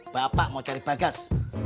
bapak mau cari bagas